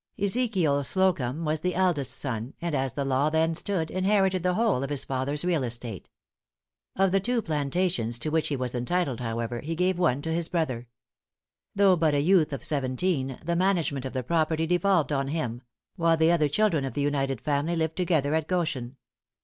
Ezekiel Slocumb was the eldest son, and as the law then stood, inherited the whole of his father's real estate. Of the two plantations to which he was entitled, however, he gave one to his brother. Though but a youth of seventeen, the management of the property devolved on him; while the other children of the united family lived together at Goshen.